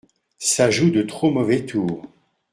Ça joue de trop mauvais tours !